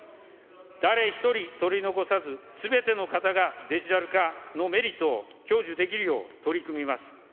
誰一人取り残さず、すべての方がデジタル化のメリットを享受できるよう取り組みます。